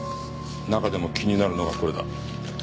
中でも気になるのがこれだ。